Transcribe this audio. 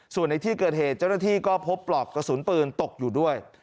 ส่วนในที่เกิดเหตุเจ้าหน้าที่ก็พบปลอกกระสุนปืนตกอยู่ด้วย